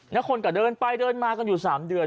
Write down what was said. แล้วคนก็เดินไปเดินมากันอยู่๓เดือน